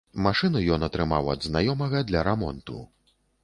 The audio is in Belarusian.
Машыну ён атрымаў ад знаёмага для рамонту.